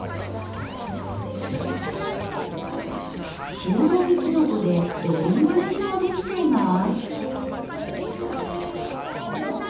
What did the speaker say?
塩もみきのこで土瓶蒸しもできちゃいます。